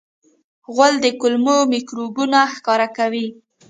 غول د کولمو میکروبونه ښکاره کوي.